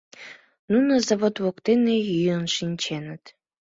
Нуно завод воктене йӱын шинченыт.